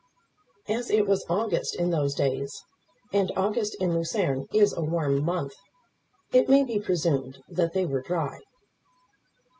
As it was August in those days, and August in Lucerne is a warm month, it may be presumed that they were dry.